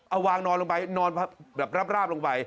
เอาวางนอนลงไปนอนแบบราบลงไป